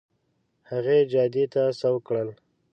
هغې جادې ته سوق کړل.